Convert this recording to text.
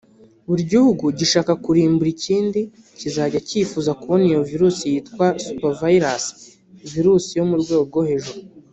"Buri gihugu gishaka kurimbura ikindi kizajya cyifuza kubona iyo virusi yitwa ‘supervirus’ (virusi yo mu rwego rwo hejuru)